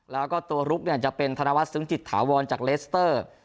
แล้วตัวรุ๊ปจะเป็นธนวรรษซึกจิตถาวลจากเลสเตอร์